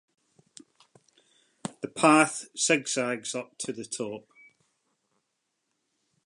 The path zig zags up to the top.